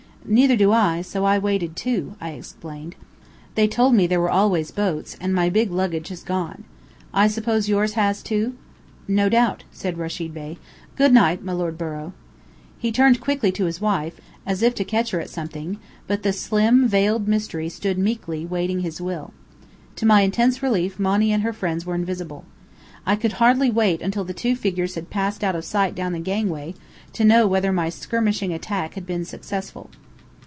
"Neither do I, so I waited, too," I explained. "They told me there were always boats, and my big luggage has gone. I suppose yours has, too?" "No doubt," said Rechid Bey. "Good night, Milord Borrow." He turned quickly to his wife, as if to catch her at something, but the slim veiled mystery stood meekly awaiting his will. To my intense relief Monny and her friends were invisible. I could hardly wait until the two figures had passed out of sight down the gangway, to know whether my skirmishing attack had been successful.